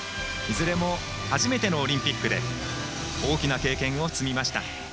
いずれも初のオリンピックで大きな経験を積みました。